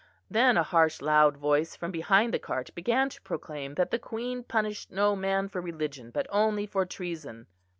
Then a harsh loud voice from behind the cart began to proclaim that the Queen punished no man for religion but only for treason.